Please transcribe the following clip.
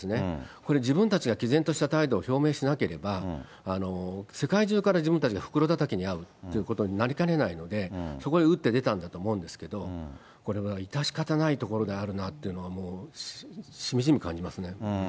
これ、自分たちがきぜんとした態度を表明しなければ、世界中から自分たちが袋だたきにあうってことになりかねないので、そこで打って出たんだと思うんですけれども、これは致し方ないところであるなというのをもうしみじみ感じますね。